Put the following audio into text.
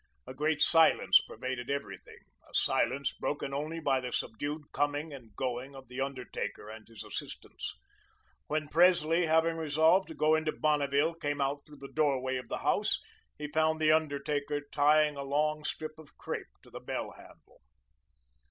A great silence pervaded everything, a silence broken only by the subdued coming and going of the undertaker and his assistants. When Presley, having resolved to go into Bonneville, came out through the doorway of the house, he found the undertaker tying a long strip of crape to the bell handle.